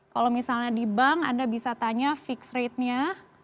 kalau misalnya di bank anda bisa tanya fixed ratenya